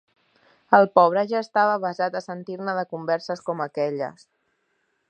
El pobre ja estava avesat a sentir-ne de converses com aquelles